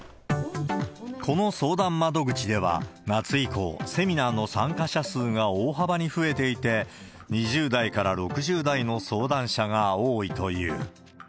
この相談窓口では、夏以降、セミナーの参加者数が大幅に増えていて、２０代から６０代の相談者が多いという。